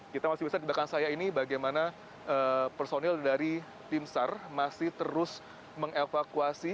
kita masih bisa di belakang saya ini bagaimana personil dari tim sar masih terus mengevakuasi